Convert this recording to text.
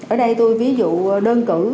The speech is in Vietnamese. ở đây tôi ví dụ đơn cử